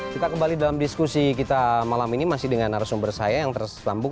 kita kembali dalam diskusi kita malam ini masih dengan arah sumber saya yang tersambung